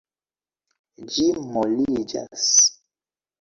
Ĝi moliĝas.